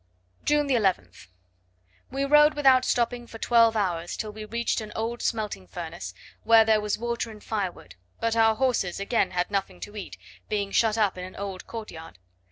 June 11th. We rode without stopping for twelve hours till we reached an old smelting furnace, where there was water and firewood; but our horses again had nothing to eat, being shut up in an old courtyard.